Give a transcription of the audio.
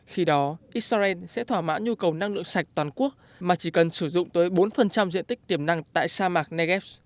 khi đó israel sẽ thỏa mãn nhu cầu năng lượng sạch toàn quốc mà chỉ cần sử dụng tới bốn diện tích tiềm năng tại sa mạc negev